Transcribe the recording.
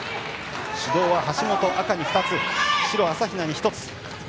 指導は赤、橋本に２つ白、朝比奈に１つ。